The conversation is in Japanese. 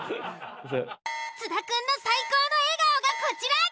津田くんの最高の笑顔がこちら。